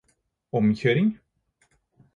omkjøring